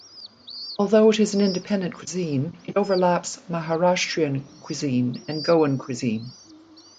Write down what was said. Although it is an independent cuisine, it overlaps Maharashtrian cuisine and Goan cuisine.